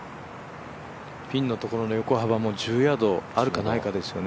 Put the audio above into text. ピンのところの横幅も１０ヤードあるかどうかですね。